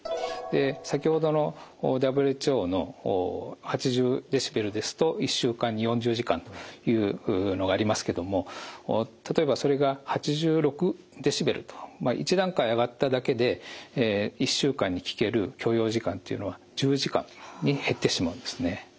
先ほどのＷＨＯの８０デシベルですと１週間に４０時間というのがありますけども例えばそれが８６デシベルと１段階上がっただけで１週間に聴ける許容時間というのは１０時間に減ってしまうんですね。